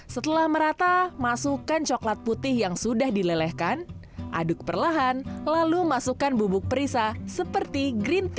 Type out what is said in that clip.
setelah merata masukkan coklat putih yang sudah dilelehkan aduk perlahan lalu masukkan bubuk perisa seperti green tea